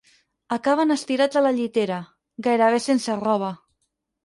Acaben estirats a la llitera, gairebé sense roba.